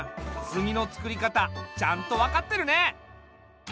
炭のつくり方ちゃんと分かってるね。